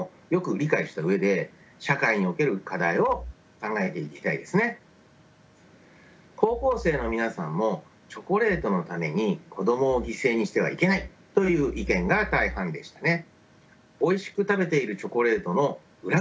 しかしこういった高校生の皆さんもチョコレートのために子どもを犠牲にしてはいけないという意見が大半でしたね。